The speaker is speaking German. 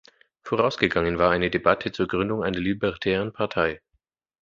Vorausgegangen war eine Debatte zur Gründung einer libertären Partei.